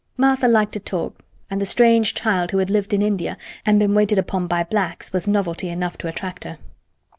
Martha liked to talk, and the strange child who had lived in India, and been waited upon by "blacks," was novelty enough to attract her.